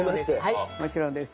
はいもちろんです。